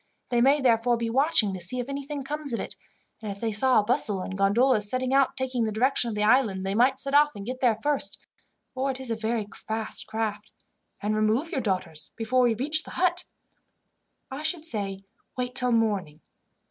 They may therefore be watching to see if anything comes of it; and if they saw a bustle and gondolas setting out taking the direction of the island, they might set off and get there first, for it is a very fast craft, and remove your daughters before we reach the hut. "I should say wait till morning.